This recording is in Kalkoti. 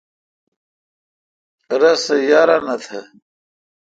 رس سہ یارانو تھ۔